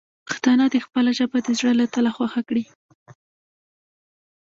پښتانه دې خپله ژبه د زړه له تله خوښه کړي.